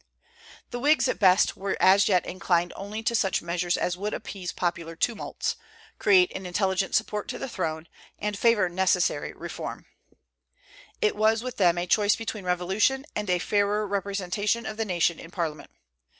The Whigs, at the best, were as yet inclined only to such measures as would appease popular tumults, create an intelligent support to the throne, and favor necessary reform. It was, with them, a choice between revolution and a fairer representation of the nation in Parliament.